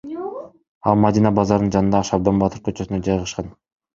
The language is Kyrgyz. Ал Мадина базарынын жанындагы Шабдан баатыр көчөсүндө жайгашкан.